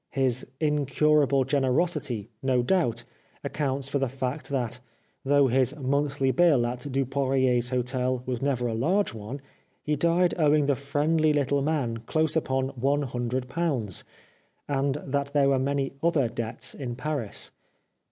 His incurable generosity, no doubt, accounts for the fact that, though his monthly bill at Dupoirier's hotel was never a large one, he died owing the friendly little man close upon one hundred pounds, and that there were many other debts in Paris.